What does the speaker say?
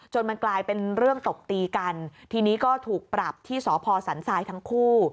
มันกลายเป็นเรื่องตบตีกันทีนี้ก็ถูกปรับที่สพสันทรายทั้งคู่